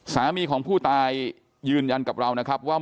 สามีของผู้ตายยืนยันกับเรานะครับว่า